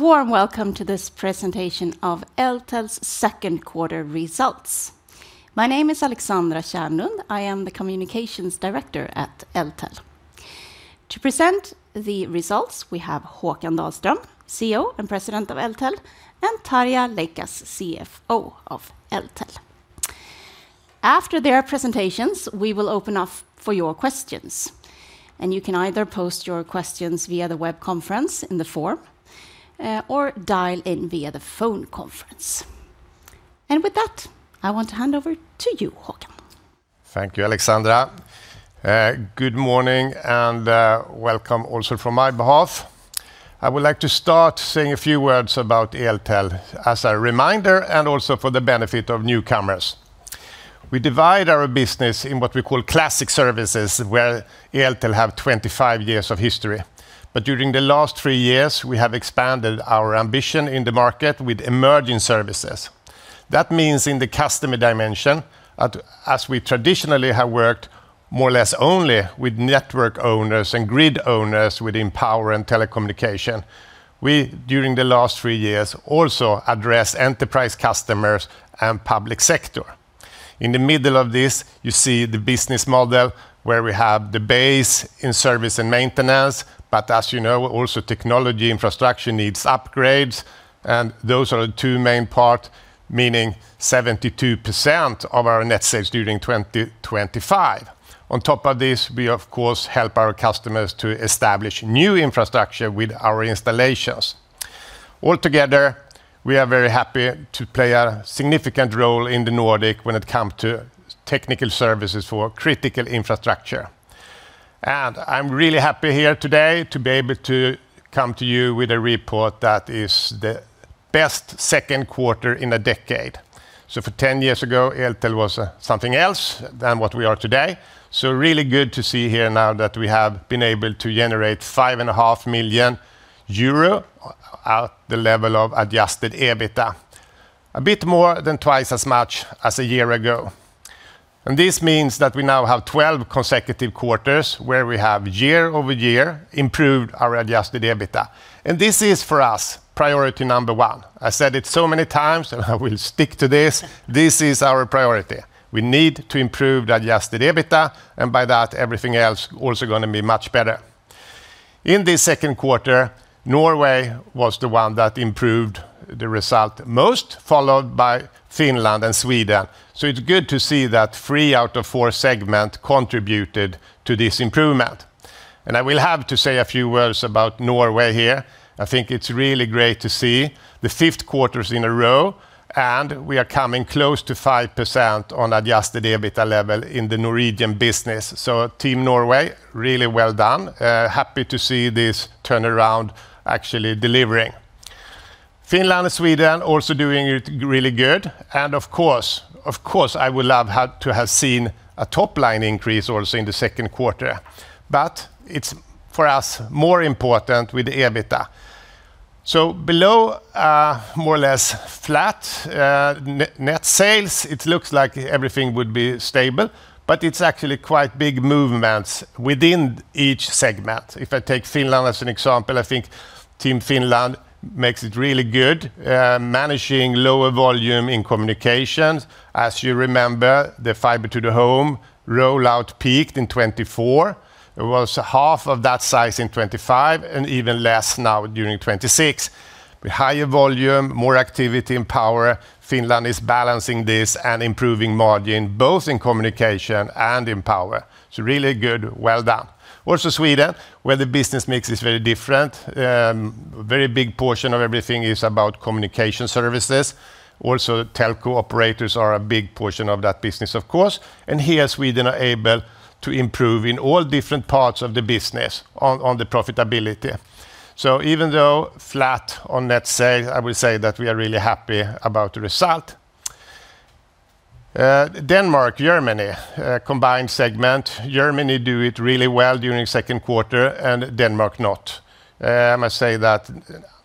A warm welcome to this presentation of Eltel’s Q2 results. My name is Alexandra Kärnlund. I am the Communications Director at Eltel. To present the results, we have Håkan Dahlström, CEO and President of Eltel, and Tarja Leikas, CFO of Eltel. After their presentations, we will open up for your questions, and you can either post your questions via the web conference in the forum or dial in via the phone conference. With that, I want to hand over to you, Håkan. Thank you, Alexandra. Good morning and welcome also from my behalf. I would like to start saying a few words about Eltel as a reminder, and also for the benefit of newcomers. We divide our business in what we call classic services, where Eltel have 25 years of history. But during the last three years, we have expanded our ambition in the market with Emerging Services. That means in the customer dimension, as we traditionally have worked more or less only with network owners and grid owners within power and telecommunication, we, during the last three years, also addressed enterprise customers and public sector. In the middle of this, you see the business model where we have the base in service and maintenance. But as you know, also technology infrastructure needs upgrades, and those are the two main part, meaning 72% of our net sales during 2025. On top of this, we of course help our customers to establish new infrastructure with our installations. Altogether, we are very happy to play a significant role in the Nordic when it comes to technical services for critical infrastructure. I am really happy here today to be able to come to you with a report that is the best Q2 in a decade. For 10 years ago, Eltel was something else than what we are today. Really good to see here now that we have been able to generate 5.5 million euro at the level of adjusted EBITA. A bit more than twice as much as a year ago. This means that we now have 12 consecutive quarters where we have year-over-year improved our adjusted EBITA. This is for us, priority number one. I said it so many times, and I will stick to this. This is our priority. We need to improve the adjusted EBITA, and by that, everything else also going to be much better. In the Q2, Norway was the one that improved the result most, followed by Finland and Sweden. It's good to see that three out of four segment contributed to this improvement. I will have to say a few words about Norway here. I think it's really great to see the fifth quarters in a row, and we are coming close to 5% on adjusted EBITA level in the Norwegian business. Team Norway, really well done. Happy to see this turnaround actually delivering. Finland and Sweden also doing it really good. Of course, I would love to have seen a top-line increase also in the Q2, but it's, for us, more important with the EBITDA. Below, more or less flat net sales. It looks like everything would be stable, but it's actually quite big movements within each segment. If I take Finland as an example, I think Team Finland makes it really good, managing lower volume in communications. As you remember, the fiber to the home rollout peaked in 2024. It was half of that size in 2025, and even less now during 2026. With higher volume, more activity in power, Finland is balancing this and improving margin both in communication and in power. Really good. Well done. Sweden, where the business mix is very different. Very big portion of everything is about communication services. Telco operators are a big portion of that business, of course. Here, Sweden are able to improve in all different parts of the business on the profitability. Even though flat on net sales, I will say that we are really happy about the result. Denmark, Germany, a combined segment. Germany do it really well during Q2 and Denmark not. I must say that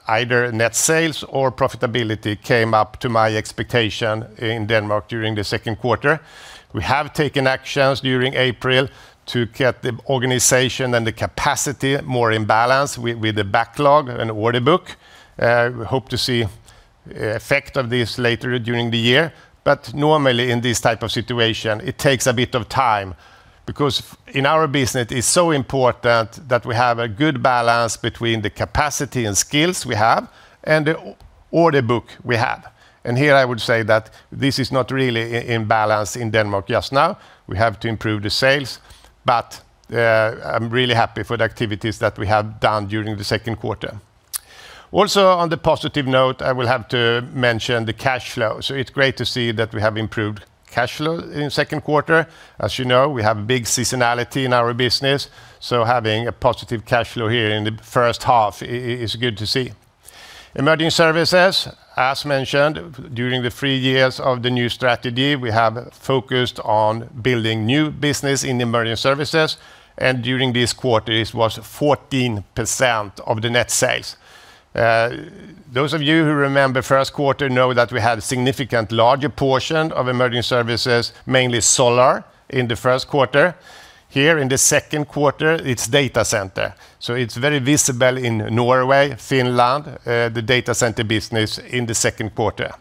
either net sales or profitability came up to my expectation in Denmark during the Q2. We have taken actions during April to get the organization and the capacity more in balance with the backlog and order book. We hope to see effect of this later during the year, normally in this type of situation, it takes a bit of time, because in our business, it's so important that we have a good balance between the capacity and skills we have and the order book we have. Here I would say that this is not really in balance in Denmark just now. We have to improve the sales. I'm really happy for the activities that we have done during the Q2. On the positive note, I will have to mention the cash flow. It's great to see that we have improved cash flow in the Q2. As you know, we have a big seasonality in our business, so having a positive cash flow here in the H1 is good to see. Emerging Services, as mentioned, during the three years of the new strategy, we have focused on building new business in Emerging Services, during this quarter it was 14% of the net sales. Those of you who remember Q1 know that we had a significant larger portion of Emerging Services, mainly solar, in the Q1. In the Q2, it's data center, so it's very visible in Norway, Finland, the data center business in the Q2.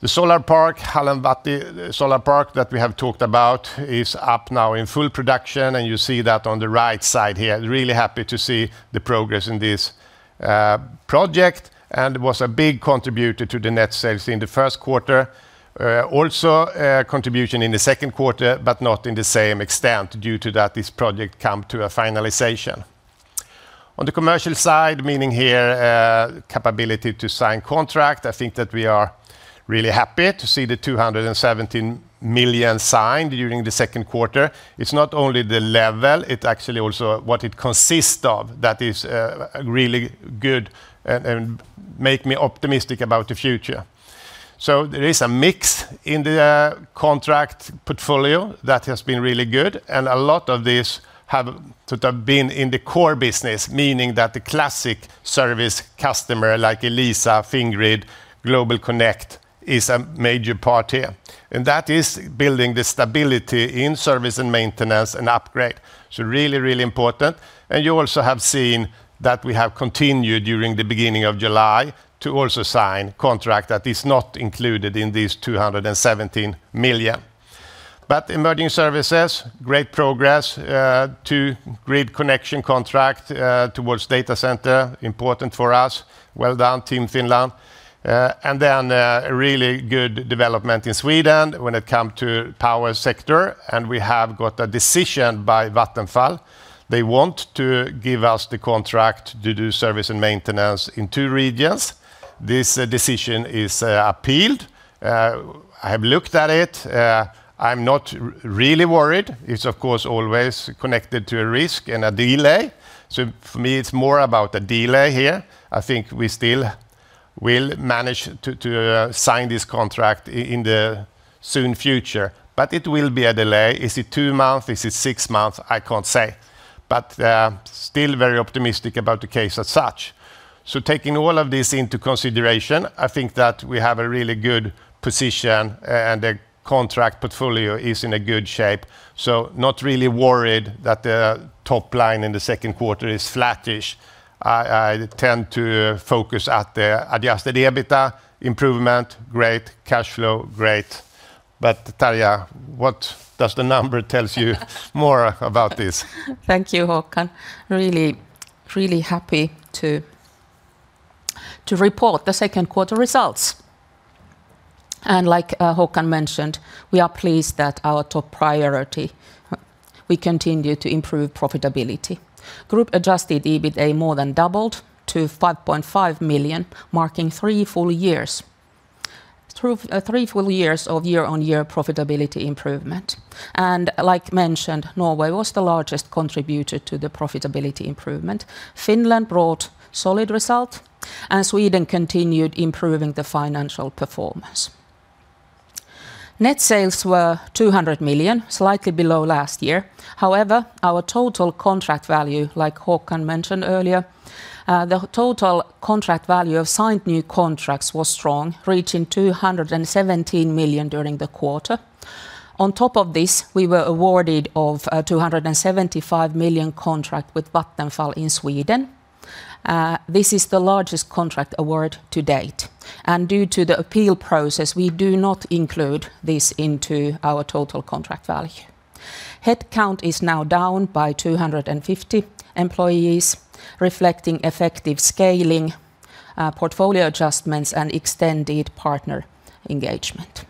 The solar park, Hallanvahti Solar Park that we have talked about, is up now in full production, you see that on the right side here. Really happy to see the progress in this project, it was a big contributor to the net sales in the Q1. Also a contribution in the Q2, but not in the same extent due to that this project come to a finalization. On the commercial side, meaning here capability to sign contract, I think that we are really happy to see the 217 million signed during the Q2. It's not only the level, it's actually also what it consists of that is really good and make me optimistic about the future. There is a mix in the contract portfolio that has been really good, and a lot of this have to have been in the core business, meaning that the classic services customer, like Elisa, Fingrid, GlobalConnect, is a major part here. That is building the stability in service and maintenance and upgrade. Really, really important. You also have seen that we have continued during the beginning of July to also sign contract that is not included in this 217 million. Emerging Services, great progress. Two grid connection contract towards data center, important for us. Well done, Team Finland. Really good development in Sweden when it come to power sector, and we have got a decision by Vattenfall. They want to give us the contract to do service and maintenance in two regions. This decision is appealed. I have looked at it. I'm not really worried. It's, of course, always connected to a risk and a delay. For me, it's more about the delay here. I think we still will manage to sign this contract in the soon future. It will be a delay. Is it two month? Is it six month? I can't say. Still very optimistic about the case as such. Taking all of this into consideration, I think that we have a really good position and the contract portfolio is in a good shape. Not really worried that the top line in the Q2 is flattish. I tend to focus at the adjusted EBITA improvement, great. Cash flow, great. Tarja, what does the number tells you more about this? Thank you, Håkan. Really, really happy to report the Q2 results. Like Håkan mentioned, we are pleased that our top priority, we continue to improve profitability. Group adjusted EBITA more than doubled to 5.5 million, marking three full years of year-on-year profitability improvement. Like mentioned, Norway was the largest contributor to the profitability improvement. Finland brought solid result, and Sweden continued improving the financial performance. Net sales were 200 million, slightly below last year. However, our total contract value, like Håkan mentioned earlier, the total contract value of signed new contracts was strong, reaching 217 million during the quarter. On top of this, we were awarded of 275 million contract with Vattenfall in Sweden. This is the largest contract award to date. Due to the appeal process, we do not include this into our total contract value. Headcount is now down by 250 employees, reflecting effective scaling, portfolio adjustments, and extended partner engagement.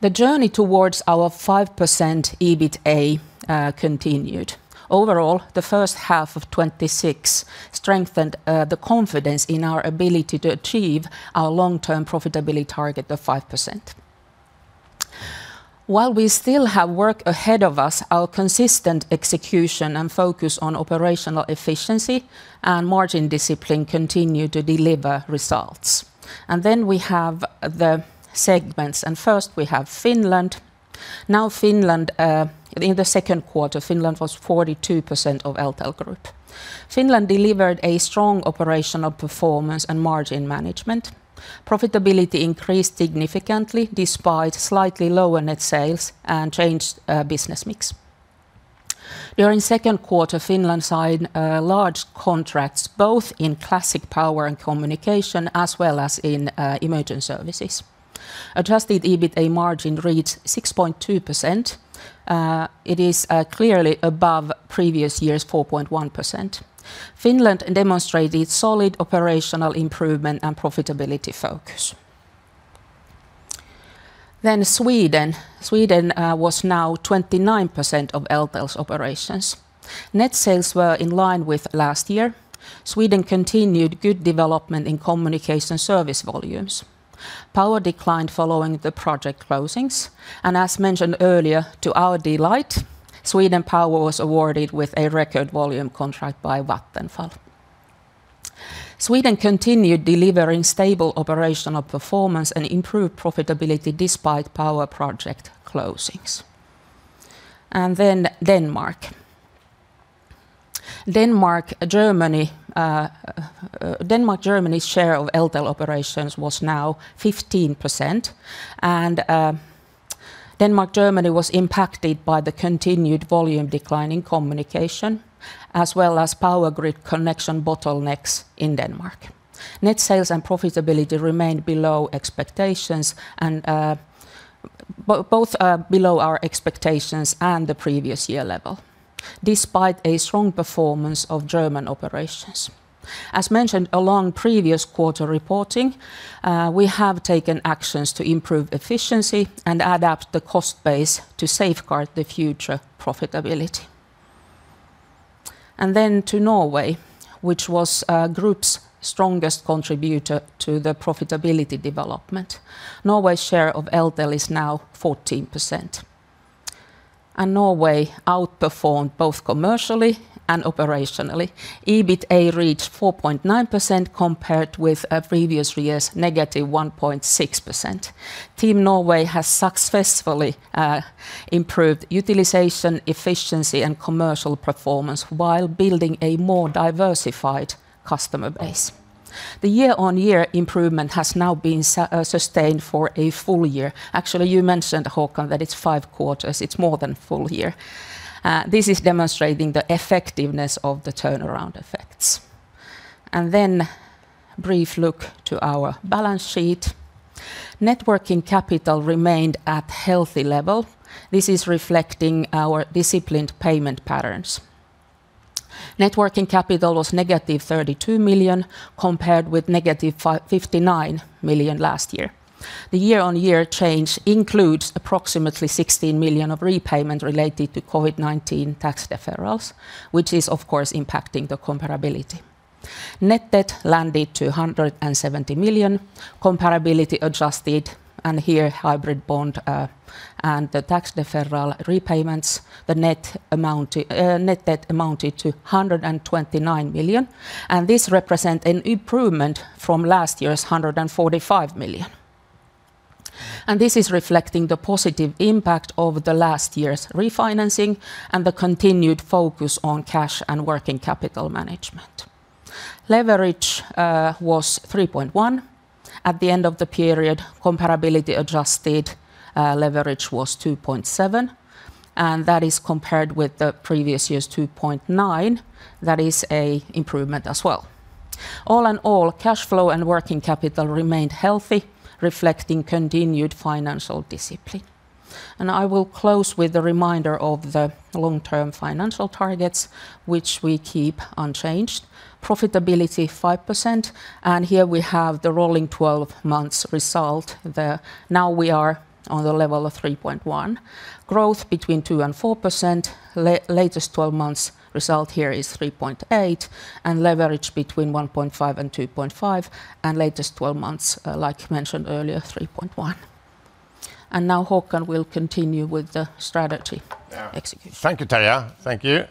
The journey towards our 5% EBITA continued. Overall, the H2 of 2026 strengthened the confidence in our ability to achieve our long-term profitability target of 5%. While we still have work ahead of us, our consistent execution and focus on operational efficiency and margin discipline continue to deliver results. We have the segments. First, we have Finland. Finland, in the Q2, Finland was 42% of Eltel Group. Finland delivered a strong operational performance and margin management. Profitability increased significantly despite slightly lower net sales and changed business mix. During Q2, Finland signed large contracts both in classic power and communication, as well as in Emerging Services. adjusted EBITA margin reached 6.2%. It is clearly above previous year's 4.1%. Finland demonstrated solid operational improvement and profitability focus. Sweden. Sweden was now 29% of Eltel's operations. Net sales were in line with last year. Sweden continued good development in communication service volumes. Power declined following the project closings. As mentioned earlier, to our delight, Sweden Power was awarded with a record volume contract by Vattenfall. Sweden continued delivering stable operational performance and improved profitability despite power project closings. Denmark. Denmark, Germany's share of Eltel operations was now 15%. Denmark, Germany was impacted by the continued volume decline in communication, as well as power grid connection bottlenecks in Denmark. Net sales and profitability remained both below our expectations and the previous year's level, despite a strong performance of German operations. As mentioned along previous quarter reporting, we have taken actions to improve efficiency and adapt the cost base to safeguard the future profitability. To Norway, which was Group's strongest contributor to the profitability development. Norway's share of Eltel is now 14%. Norway outperformed both commercially and operationally. EBITA reached 4.9% compared with previous year's -1.6%. Team Norway has successfully improved utilization, efficiency, and commercial performance while building a more diversified customer base. The year-on-year improvement has now been sustained for a full year. Actually, you mentioned, Håkan, that it's five quarters. It's more than a full year. This is demonstrating the effectiveness of the turnaround effects. A brief look to our balance sheet. Net working capital remained at healthy level. This is reflecting our disciplined payment patterns. Net working capital was -32 million compared with -59 million last year. The year-on-year change includes approximately 16 million of repayment related to COVID-19 tax deferrals, which is of course impacting the comparability. Net debt landed 270 million, comparability adjusted, and here hybrid bond and the tax deferral repayments, the net debt amounted to 129 million. This represent an improvement from last year's 145 million. This is reflecting the positive impact of the last year's refinancing and the continued focus on cash and working capital management. Leverage was 3.1. At the end of the period, comparability adjusted leverage was 2.7, compared with the previous year's 2.9. That is a improvement as well. All in all, cash flow and working capital remained healthy, reflecting continued financial discipline. I will close with a reminder of the long-term financial targets, which we keep unchanged. Profitability 5%. We have the rolling 12 months result there. We are on the level of 3.1. Growth between 2% and 4%. Latest 12 months result here is 3.8, leverage between 1.5 and 2.5, and latest 12 months, like mentioned earlier, 3.1. Håkan will continue with the strategy execution. Thank you, Tarja. Thank you.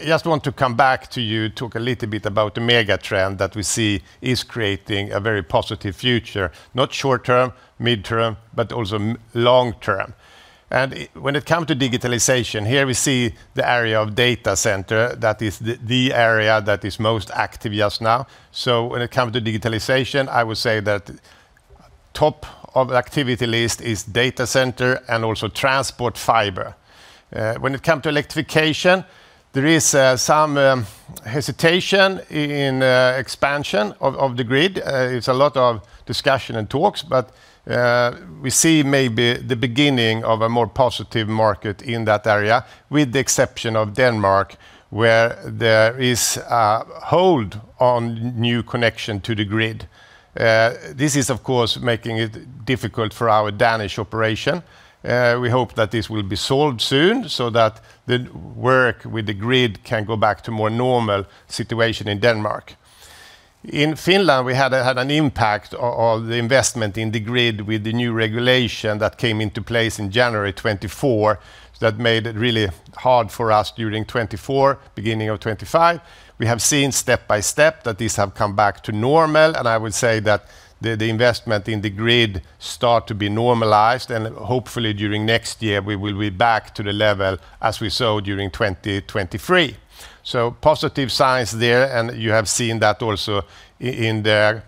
Just want to come back to you, talk a little bit about the mega trend that we see is creating a very positive future, not short term, midterm, but also long term. When it comes to digitalization, here we see the area of data center. That is the area that is most active just now. When it comes to digitalization, I would say that top of activity list is data center and also transport fiber. When it comes to electrification, there is some hesitation in expansion of the grid. It is a lot of discussion and talks, but we see maybe the beginning of a more positive market in that area, with the exception of Denmark, where there is a hold on new connection to the grid. This is of course making it difficult for our Danish operation. We hope that this will be solved soon, so that the work with the grid can go back to more normal situation in Denmark. In Finland, we had an impact of the investment in the grid with the new regulation that came into place in January 2024, that made it really hard for us during 2024, beginning of 2025. We have seen step by step that these have come back to normal, and I would say that the investment in the grid start to be normalized and hopefully during next year we will be back to the level as we saw during 2023. Positive signs there, and you have seen that also in the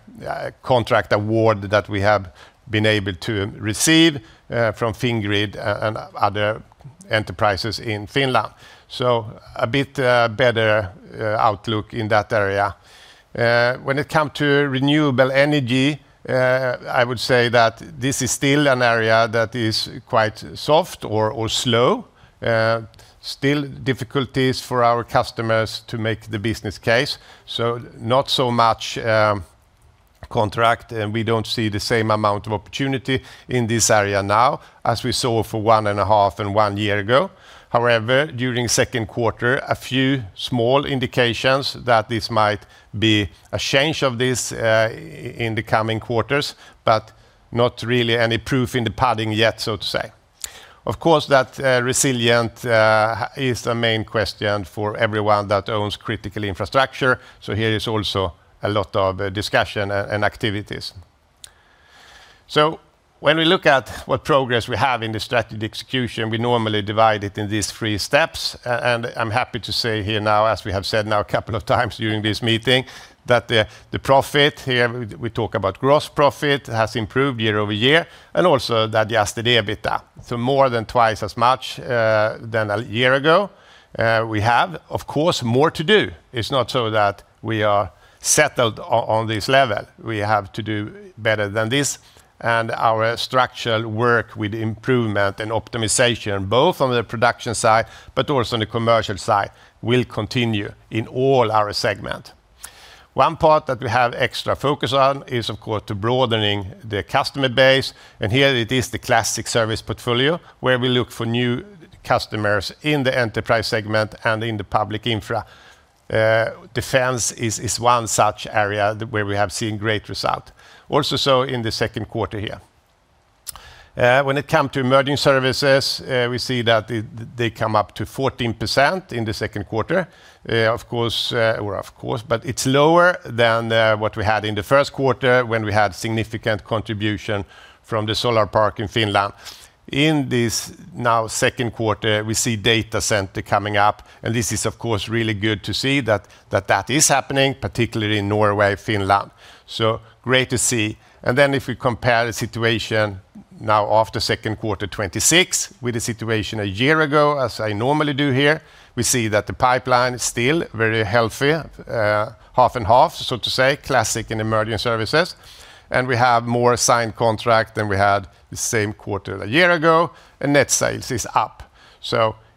contract award that we have been able to receive from Fingrid and other enterprises in Finland. A bit better outlook in that area. When it come to renewable energy, I would say that this is still an area that is quite soft or slow. Still difficulties for our customers to make the business case. Not so much contract, and we don't see the same amount of opportunity in this area now as we saw for one and a half and one year ago. However, during Q2, a few small indications that this might be a change of this, in the coming quarters, but not really any proof in the pudding yet, so to say. Of course, that resilient is a main question for everyone that owns critical infrastructure. Here is also a lot of discussion and activities. When we look at what progress we have in the strategic execution, we normally divide it in these three steps. I'm happy to say here now, as we have said now a couple of times during this meeting, that the profit here, we talk about gross profit, has improved year-over-year, and also that the adjusted EBITA, so more than twice as much than a year ago. We have, of course, more to do. It is not so that we are settled on this level. We have to do better than this. Our structural work with improvement and optimization, both on the production side but also on the commercial side, will continue in all our segment. One part that we have extra focus on is, of course, to broadening the customer base, and here it is the classic service portfolio, where we look for new customers in the enterprise segment and in the public infra. Defense is one such area where we have seen great result, also in the Q2 here. When it comes to Emerging Services, we see that they come up to 14% in the Q2. Of course, but it is lower than what we had in the Q1 when we had significant contribution from the solar park in Finland. In this now Q2, we see data center coming up, and this is, of course, really good to see that that is happening, particularly in Norway, Finland. So great to see. If we compare the situation now after Q2 2026 with the situation a year ago, as I normally do here, we see that the pipeline is still very healthy. Half and half, so to say, classic and Emerging Services. We have more signed contract than we had the same quarter a year ago, and net sales is up.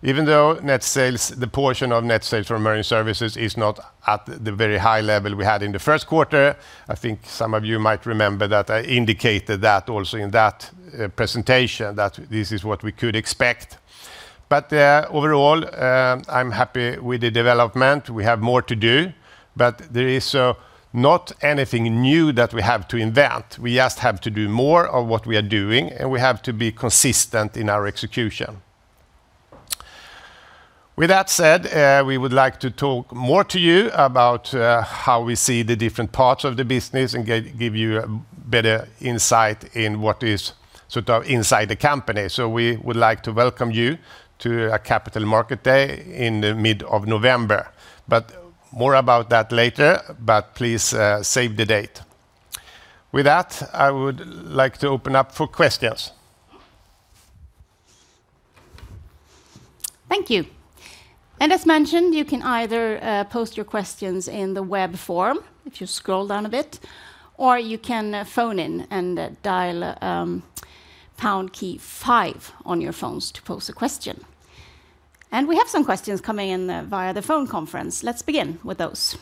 Even though the portion of net sales from Emerging Services is not at the very high level we had in the Q1, I think some of you might remember that I indicated that also in that presentation that this is what we could expect. Overall, I'm happy with the development. We have more to do, but there is not anything new that we have to invent. We just have to do more of what we are doing, and we have to be consistent in our execution. With that said, we would like to talk more to you about how we see the different parts of the business and give you a better insight in what is inside the company. We would like to welcome you to a capital market day in the mid of November, but more about that later. Please save the date. With that, I would like to open up for questions. Thank you. As mentioned, you can either post your questions in the web form if you scroll down a bit, or you can phone in and dial pound key five on your phones to pose a question. We have some questions coming in via the phone conference. Let's begin with those.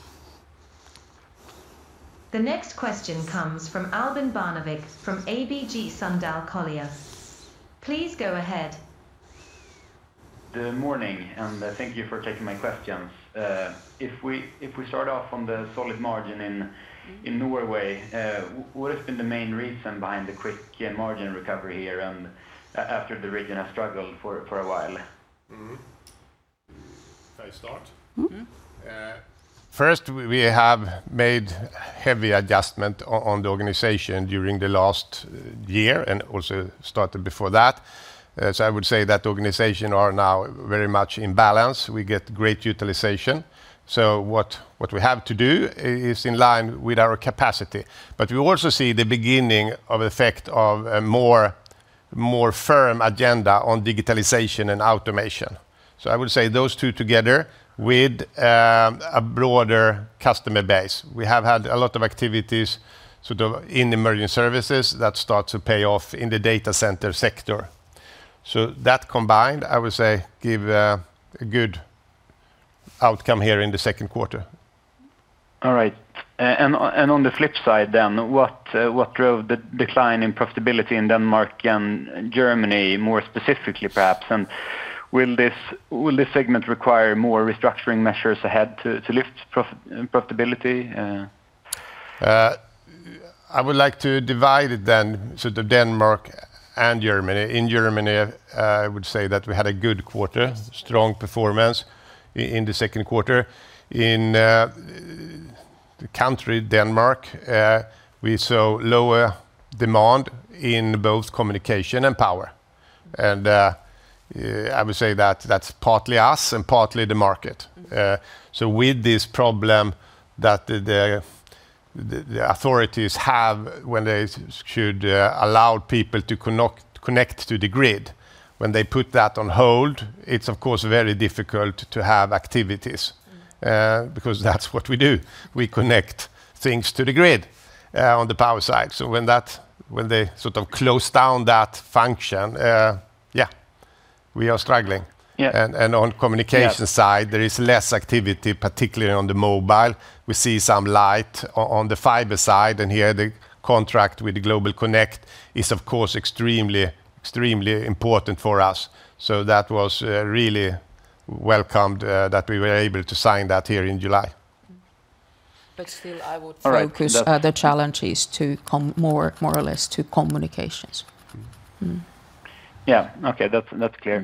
The next question comes from Albin Barnevik from ABG Sundal Collier. Please go ahead. Good morning, and thank you for taking my questions. If we start off on the solid margin in Norway, what has been the main reason behind the quick margin recovery here and after the region has struggled for a while? Can I start? First, we have made heavy adjustment on the organization during the last year and also started before that. I would say that the organization are now very much in balance. We get great utilization. What we have to do is in line with our capacity. We also see the beginning of effect of a more firm agenda on digitalization and automation. I would say those two together with a broader customer base. We have had a lot of activities in Emerging Services that start to pay off in the data center sector. That combined, I would say, give a good outcome here in the Q2. All right. On the flip side then, what drove the decline in profitability in Denmark and Germany, more specifically, perhaps? Will this segment require more restructuring measures ahead to lift profitability? I would like to divide it then, Denmark and Germany. In Germany, I would say that we had a good quarter, strong performance in the Q2. In the country Denmark, we saw lower demand in both communication and power. I would say that's partly us and partly the market. With this problem that the authorities have when they should allow people to connect to the grid, when they put that on hold, it's of course, very difficult to have activities. Because that's what we do. We connect things to the grid on the power side. When they close down that function, yeah, we are struggling. Yeah. On communication side- Yeah. There is less activity, particularly on the mobile. Here the contract with GlobalConnect is, of course, extremely important for us. That was really welcomed that we were able to sign that here in July. Still I would focus- All right. The challenge is to come more or less to communications. Mm-hmm. Yeah. Okay. That's clear.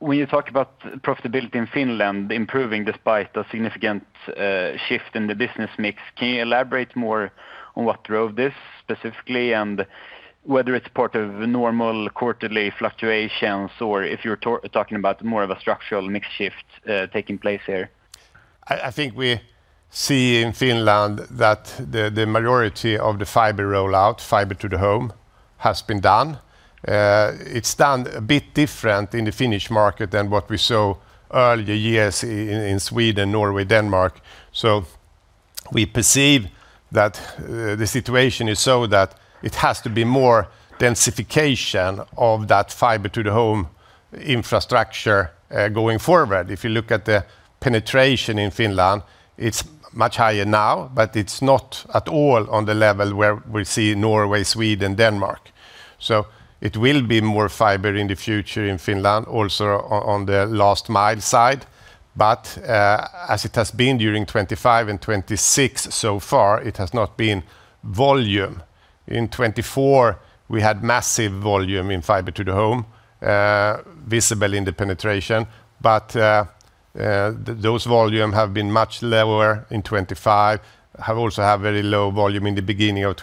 When you talk about profitability in Finland improving despite a significant shift in the business mix, can you elaborate more on what drove this specifically and whether it's part of normal quarterly fluctuations, or if you're talking about more of a structural mix shift taking place here? I think we see in Finland that the majority of the fiber rollout, fiber to the home, has been done. It's done a bit different in the Finnish market than what we saw earlier years in Sweden, Norway, Denmark. We perceive that the situation is so that it has to be more densification of that fiber to the home infrastructure going forward. If you look at the penetration in Finland, it's much higher now, but it's not at all on the level where we see Norway, Sweden, Denmark. It will be more fiber in the future in Finland, also on the last mile side. As it has been during 2025 and 2026 so far, it has not been volume. In 2024, we had massive volume in fiber to the home, visible in the penetration. Those volume have been much lower in 2025, have also had very low volume in the beginning of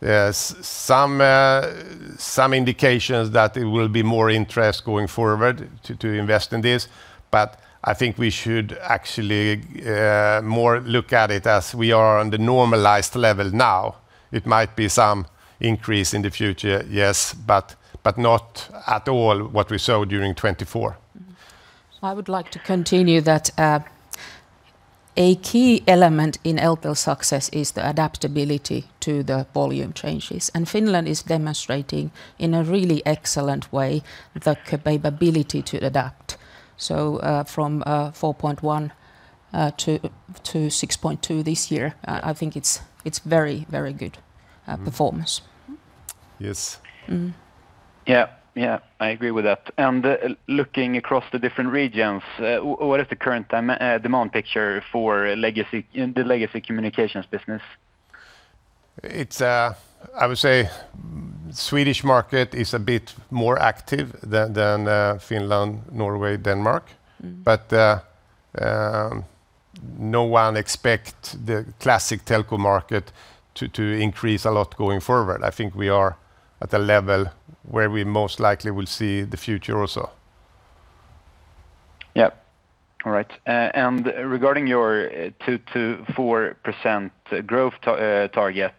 2026. Some indications that it will be more interest going forward to invest in this, but I think we should actually more look at it as we are on the normalized level now. It might be some increase in the future, yes. But not at all what we saw during 2024. I would like to continue that a key element in Eltel success is the adaptability to the volume changes, Finland is demonstrating in a really excellent way the capability to adapt. From 4.1-6.2 this year, I think it is very good performance. Yes. Yeah. I agree with that. Looking across the different regions, what is the current demand picture for the legacy communications business? I would say Swedish market is a bit more active than Finland, Norway, Denmark. No one expect the classic telco market to increase a lot going forward. I think we are at a level where we most likely will see the future also. Yeah. All right. Regarding your 2%-4% growth target,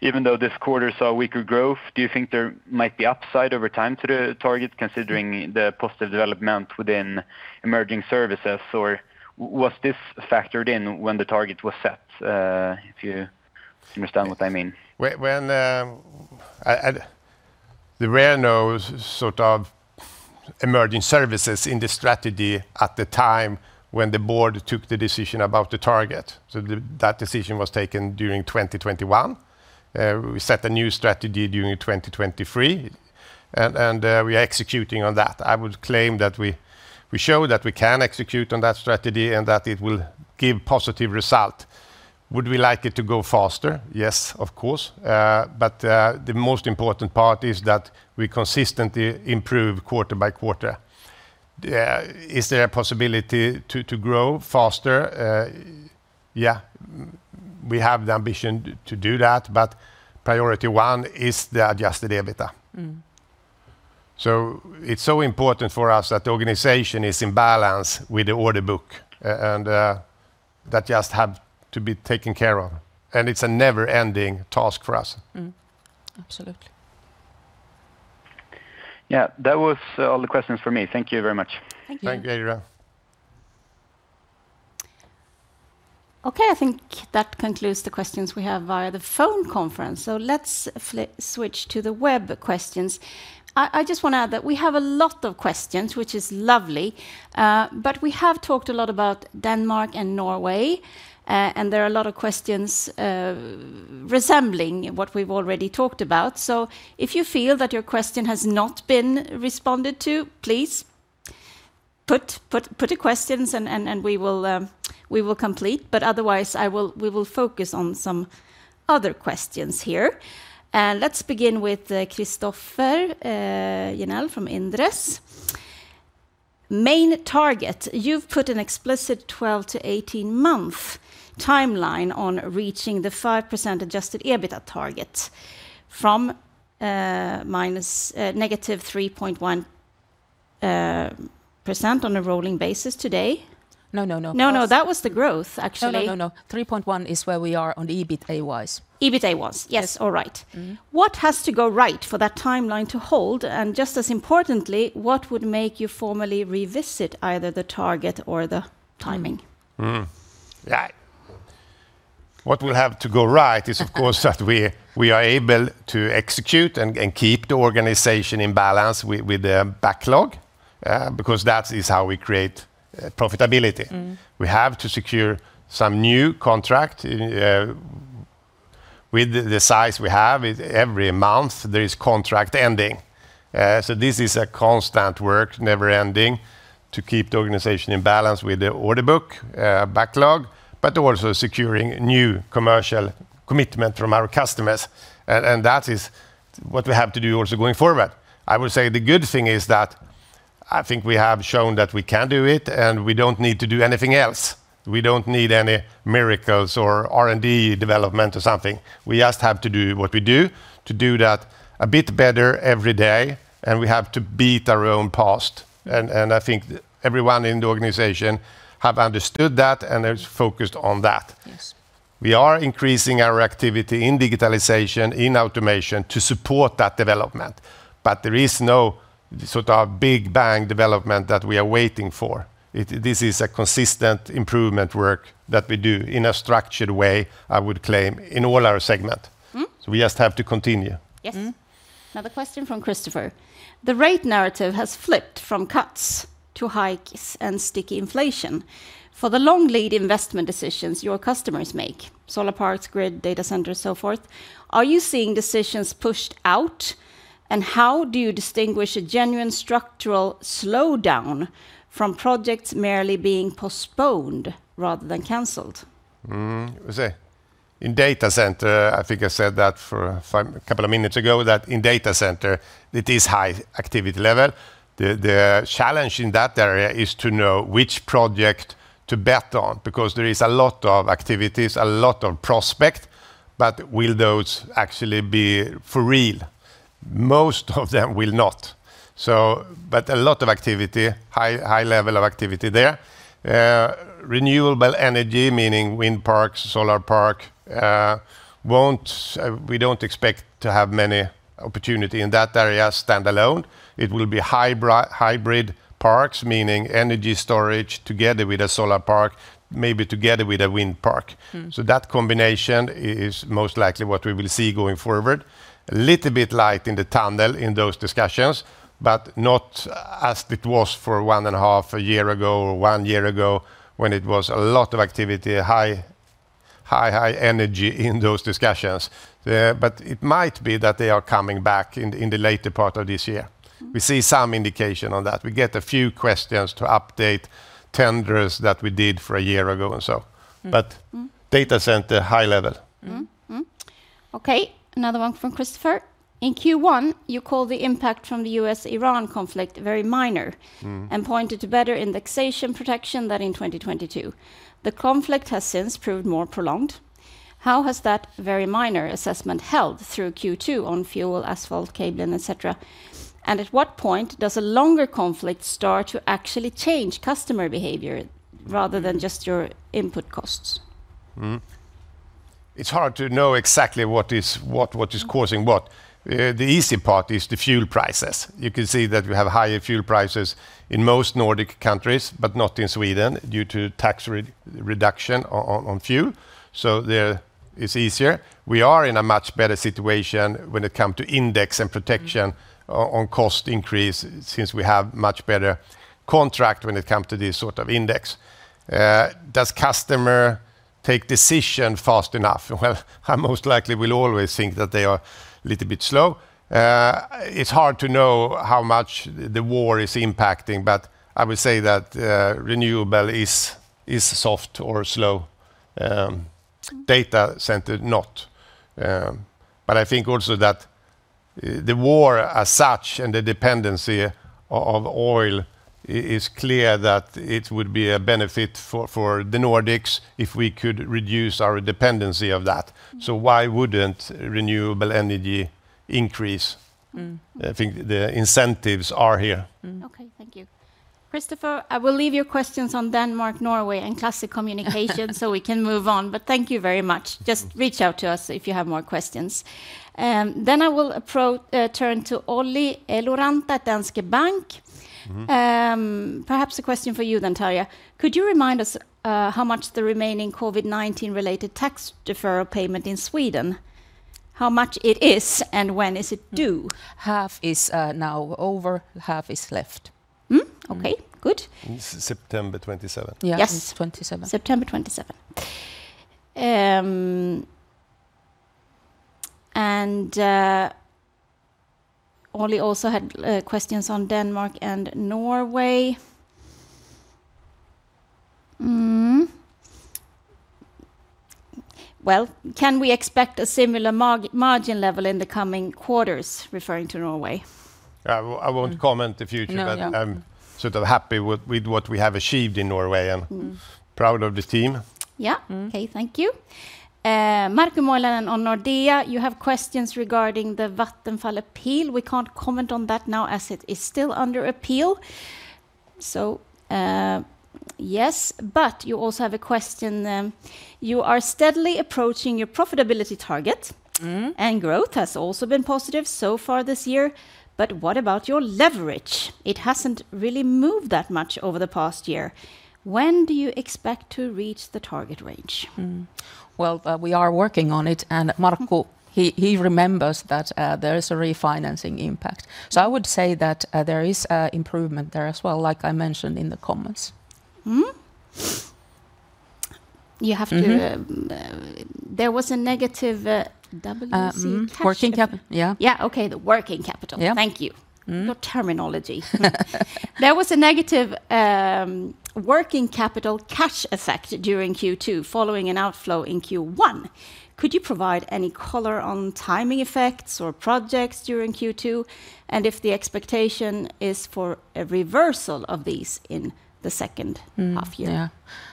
even though this quarter saw weaker growth, do you think there might be upside over time to the target considering the positive development within Emerging Services? Or was this factored in when the target was set? If you understand what I mean. There were no Emerging Services in the strategy at the time when the board took the decision about the target. That decision was taken during 2021. We set a new strategy during 2023, we are executing on that. I would claim that we show that we can execute on that strategy, that it will give positive result. Would we like it to go faster? Yes, of course. The most important part is that we consistently improve quarter-by-quarter. Is there a possibility to grow faster? Yeah. We have the ambition to do that, priority one is the adjusted EBITA. It's so important for us that the organization is in balance with the order book, that just had to be taken care of, it's a never-ending task for us. Mm. Absolutely. Yeah. That was all the questions for me. Thank you very much. Thank you. Thank you. Okay, I think that concludes the questions we have via the phone conference. Let's switch to the web questions. I just want to add that we have a lot of questions, which is lovely. We have talked a lot about Denmark and Norway, and there are a lot of questions resembling what we've already talked about. If you feel that your question has not been responded to, please put your questions and we will complete. Otherwise, we will focus on some other questions here. Let's begin with Christoffer Jennel from Inderes. Main target. You've put an explicit 12-18-month timeline on reaching the 5% adjusted EBITA target from -3.1% on a rolling basis today. No. No. No, that was the growth, actually. No, 3.1 is where we are on the EBITA-wise. EBITA-wise. Yes. Yes. All right. What has to go right for that timeline to hold? Just as importantly, what would make you formally revisit either the target or the timing? What will have to go right is, of course that we are able to execute and keep the organization in balance with the backlog, because that is how we create profitability. We have to secure some new contract. With the size we have, every month there is contract ending. This is a constant work, never ending, to keep the organization in balance with the order book backlog, but also securing new commercial commitment from our customers. That is what we have to do also going forward. I would say the good thing is that I think we have shown that we can do it. We don't need to do anything else. We don't need any miracles or R&D development or something. We just have to do what we do to do that a bit better every day, and we have to beat our own past. I think everyone in the organization have understood that and is focused on that. Yes. We are increasing our activity in digitalization, in automation to support that development. There is no big bang development that we are waiting for. This is a consistent improvement work that we do in a structured way, I would claim, in all our segment. We just have to continue. Yes. Another question from Christoffer. The rate narrative has flipped from cuts to hikes and sticky inflation. For the long lead investment decisions your customers make, solar parks, grid, data centers, so forth, are you seeing decisions pushed out? How do you distinguish a genuine structural slowdown from projects merely being postponed rather than canceled? In data center, I think I said that a couple of minutes ago, that in data center, it is high activity level. The challenge in that area is to know which project to bet on because there is a lot of activities, a lot of prospect, but will those actually be for real? Most of them will not. A lot of activity, high level of activity there. Renewable energy, meaning wind parks, solar park, we don't expect to have many opportunity in that area standalone. It will be hybrid parks, meaning energy storage together with a solar park, maybe together with a wind park. That combination is most likely what we will see going forward. A little bit light in the tunnel in those discussions, but not as it was for one and a half a year ago or one year ago when it was a lot of activity, high energy in those discussions. It might be that they are coming back in the later part of this year. We see some indication on that. We get a few questions to update tenders that we did for a year ago and so. Data center, high level. Mm-hmm. Okay, another one from Christoffer. In Q1, you called the impact from the US-Iran conflict very minor, and pointed to better indexation protection than in 2022. The conflict has since proved more prolonged. How has that very minor assessment held through Q2 on fuel, asphalt, cable, and etcetera? At what point does a longer conflict start to actually change customer behavior rather than just your input costs? Mm-hmm. It's hard to know exactly what is causing what. The easy part is the fuel prices. You can see that we have higher fuel prices in most Nordic countries, but not in Sweden due to tax reduction on fuel, so there it's easier. We are in a much better situation when it come to index and protection on cost increase since we have much better contract when it come to this sort of index. Does customer take decision fast enough? Well, I most likely will always think that they are a little bit slow. It's hard to know how much the war is impacting, but I would say that renewable is soft or slow. Data center, not. I think also that the war as such and the dependency of oil is clear that it would be a benefit for the Nordics if we could reduce our dependency of that. Why wouldn't renewable energy increase? I think the incentives are here. Okay, thank you. Christoffer, I will leave your questions on Denmark, Norway, and classic communication so we can move on. Thank you very much. Just reach out to us if you have more questions. I will turn to Olli Eloranta, Danske Bank. Perhaps a question for you then, Tarja. Could you remind us how much the remaining COVID-19 related tax deferral payment in Sweden, how much it is, and when is it due? Half is now over, half is left. Mm-hmm. Okay, good. September 27th. Yes. Yes. 27th. September 27th. Olli also had questions on Denmark and Norway. Mm-hmm. Well, can we expect a similar margin level in the coming quarters, referring to Norway? I won't comment the future. No. I'm sort of happy with what we have achieved in Norway and proud of this team. Yeah. Okay, thank you. [Markku Moilanen] on Nordea, you have questions regarding the Vattenfall appeal. We can't comment on that now as it is still under appeal. Yes, you also have a question. You are steadily approaching your profitability target. Growth has also been positive so far this year. What about your leverage? It hasn't really moved that much over the past year. When do you expect to reach the target range? Mm-hmm. Well, we are working on it, and [Markku], he remembers that there is a refinancing impact. I would say that there is improvement there as well, like I mentioned in the comments. Mm-hmm. There was a negative WC cash- Working capital, yeah. Yeah, okay. The working capital. Yeah. Thank you. Your terminology. There was a negative net working capital cash effect during Q2 following an outflow in Q1. Could you provide any color on timing effects or projects during Q2, and if the expectation is for a reversal of these in the H2 year? Yeah.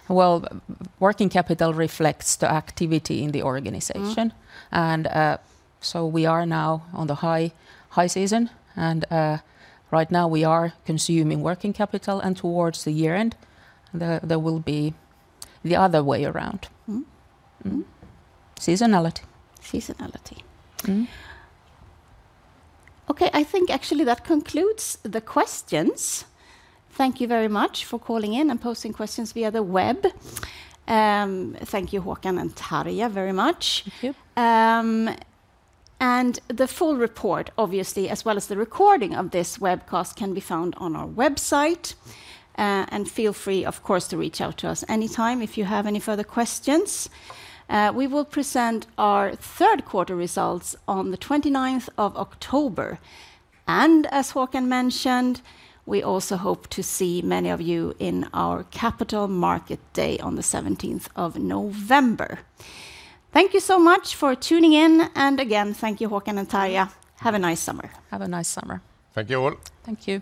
Well, net working capital reflects the activity in the organization. We are now on the high season, and right now we are consuming net working capital, and towards the year-end, there will be the other way around. Seasonality. Seasonality. Okay, I think actually that concludes the questions. Thank you very much for calling in and posting questions via the web. Thank you, Håkan and Tarja, very much. Thank you. The full report, obviously, as well as the recording of this webcast can be found on our website. Feel free, of course, to reach out to us anytime if you have any further questions. We will present our Q3 results on the 29th of October, as Håkan mentioned, we also hope to see many of you in our capital market day on the 17th of November. Thank you so much for tuning in, again, thank you, Håkan and Tarja. Have a nice summer. Have a nice summer. Thank you all. Thank you.